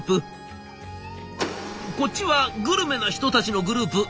こっちはグルメな人たちのグループ。